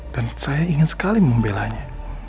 dan saya ingin sekali membelanya